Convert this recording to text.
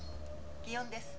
気温です